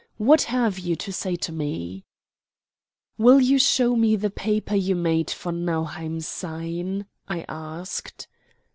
What have you to say to me?" "Will you show me the paper you made von Nauheim sign?" I asked.